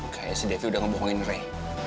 kayaknya si devi udah ngebohongin ray